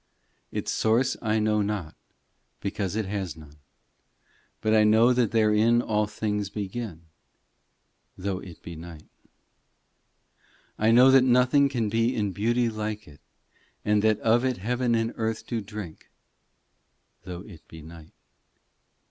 ii Its source I know not, because it has none ; But I know that therein all things begin, Though it be night. in I know that nothing can be in beauty like it, And that of it heaven and earth do drink, Though it be night.